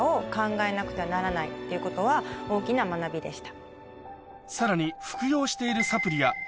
ということは大きな学びでした。